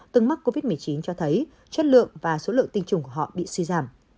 từng mắc covid một mươi chín cho thấy chất lượng và số lượng tinh trùng của họ bị suy giảm